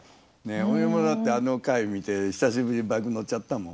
俺もだってあの回見て久しぶりにバイク乗っちゃったもん。